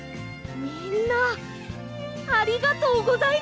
みんなありがとうございます！